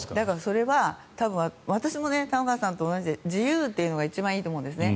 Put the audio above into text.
それは私も玉川さんと同じで自由っていうのが一番いいと思うんですね。